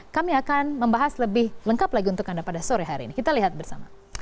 kami akan membahas lebih lengkap lagi untuk anda pada sore hari ini kita lihat bersama